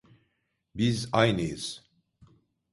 Biz aynıyız.